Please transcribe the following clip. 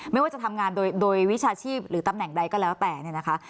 ไม่ว่าจะทำงานโดยวิชาชีพหรือตำแหน่งใดก็แล้วแต่เนี่ยนะคะ